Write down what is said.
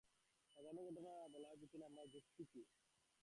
সাজানো ঘটনা বলার পিছনে আপনার যুক্তি কী?